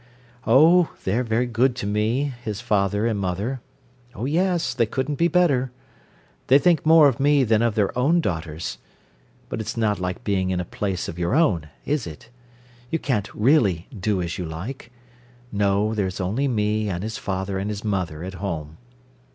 Oh, they're very good to me, his father and mother. Oh yes, they couldn't be better. They think more of me than of their own daughters. But it's not like being in a place of your own, is it? You can't really do as you like. No, there's only me and his father and mother at home.